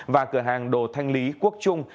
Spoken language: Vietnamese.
và cửa hàng đồ thanh lý quốc trung